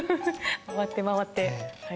回って回って、はい。